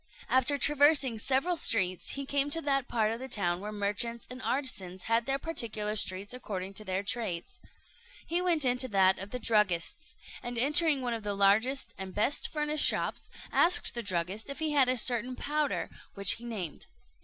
After traversing several streets, he came to that part of the town where the merchants and artisans had their particular streets according to their trades. He went into that of the druggists; and entering one of the largest and best furnished shops, asked the druggist if he had a certain powder, which he named.